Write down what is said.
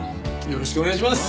よろしくお願いします！